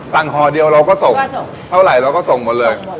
ห่อเดียวเราก็ส่งเท่าไหร่เราก็ส่งหมดเลย